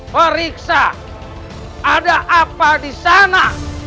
periksa ada apa di sana